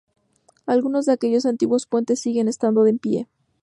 Algunos de aquellos antiguos puentes siguen estando en pie.